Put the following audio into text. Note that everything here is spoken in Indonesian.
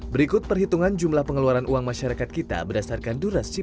berikut perhitungan jumlah pengeluaran uang masyarakat kita berdasarkan durasi